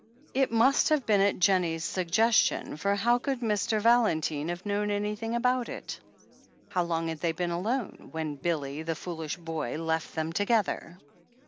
It must have been at Jemiie's suggestion, for how could Mr. Valentine have known anything about it? How long had they been alone — ^when had Billy, the foolish boy, left them together